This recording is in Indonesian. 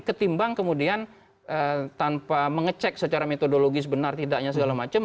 ketimbang kemudian tanpa mengecek secara metodologis benar tidaknya segala macam